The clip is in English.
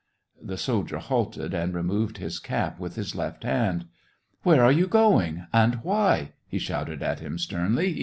The soldier halted, and removed his cap with his left hand. " Where are you going, and why }" he shouted at him sternly.